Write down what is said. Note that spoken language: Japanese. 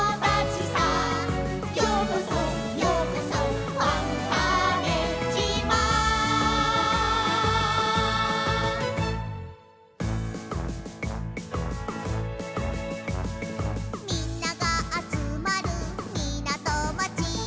「ようこそようこそファンターネ島」「みんながあつまるみなとまち」